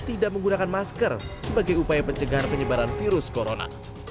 tidak menggunakan masker sebagai upaya pencegahan penyebaran virus corona